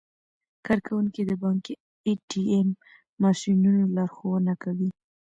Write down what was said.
کارکوونکي د بانکي ای ټي ایم ماشینونو لارښوونه کوي.